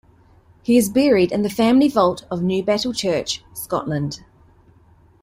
He is buried in the family vault of Newbattle Church, Scotland.